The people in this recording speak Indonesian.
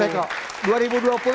terima kasih mas eko